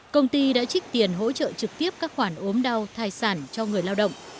cần hỗ trợ trực tiếp các khoản ốm đau thai sản cho người lao động